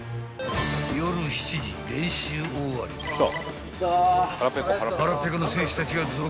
［夜７時練習終わり腹ペコの選手たちが続々とリビングに］